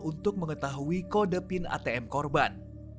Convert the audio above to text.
untuk mengetahui kode pin atm korban